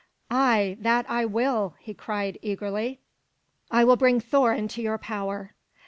"Ay, that I will!" he cried eagerly. "I will bring Thor into your power."